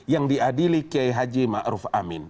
yang diadili ke haji ma'ruf amin